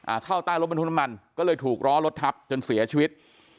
เข้าใต้รถบรรทุกน้ำมันก็เลยถูกล้อรถทับจนเสียชีวิต